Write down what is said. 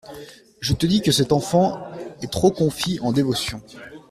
Je te dis que cet enfant est trop confit en dévotion.